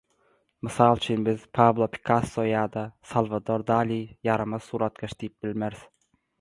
Mysal üçin, biz „Pablo Pikasso ýa-da Salwador Dali ýaramaz suratkeş“ diýip bilmeris.